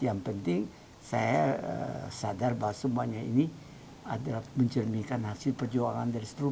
yang penting saya sadar bahwa semuanya ini adalah mencerminkan hasil perjuangan dari seluruh